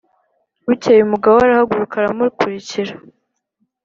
Bukeye umugabo we arahaguruka aramukurikira